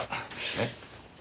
えっ？